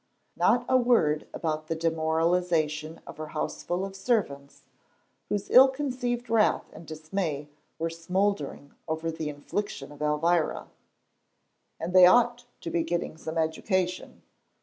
Not a word about the demoralization of her houseful of servants, whose ill concealed wrath and dismay were smouldering over the infliction of Elvira. "And they ought to be getting some education.